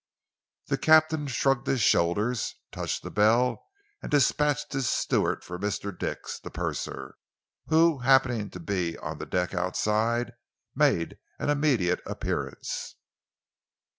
The captain shrugged his shoulders, touched the bell and despatched his steward for Mr. Dix, the purser, who, happening to be on the deck outside, made an immediate appearance.